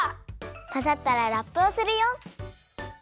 まざったらラップをするよ！